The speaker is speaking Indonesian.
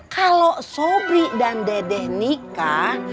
kalau sobri dan dedek nikah